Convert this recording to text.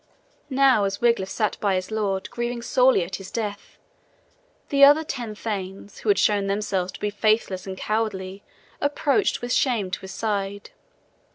Now as Wiglaf sat by his lord, grieving sorely at his death, the other ten thanes who had shown themselves to be faithless and cowardly approached with shame to his side.